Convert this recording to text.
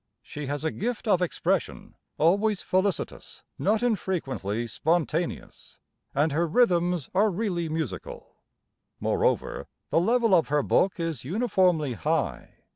She has a gift of expression always felicitous, not infrequently spontaneous, and her rhythms are really musical. Moreover, the level of her book is uniformly high.